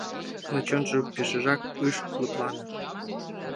Но чонжо пешыжак ыш лыплане.